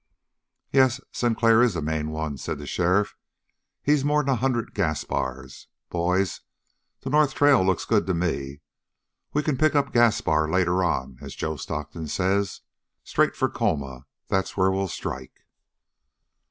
"Yes, Sinclair is the main one," said the sheriff. "He's more'n a hundred Gaspars. Boys, the north trail looks good to me. We can pick up Gaspar later on, as Joe Stockton says. Straight for Colma, that's where we'll strike."